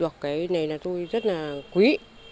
cái này là tôi rất là quý